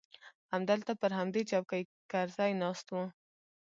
همدلته پر همدې چوکۍ کرزى ناست و.